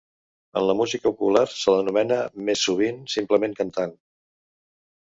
En la música popular se l'anomena, més sovint, simplement cantant.